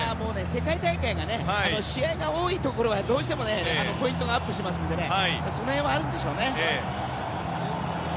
世界大会なので試合が多いところはどうしてもポイントがアップしますのでその辺はありますよね。